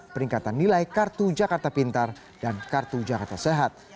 peningkatan nilai kartu jakarta pintar dan kartu jakarta sehat